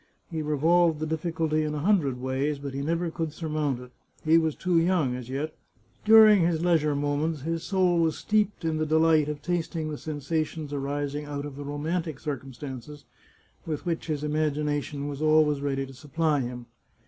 He revolved the difficulty in a hundred ways, but he never could surmount it. He was too young as yet. During his leisure moments, his soul was steeped in the delight of tasting the sensations arising out of the romantic circumstances with which his imagination was always ready to supply him.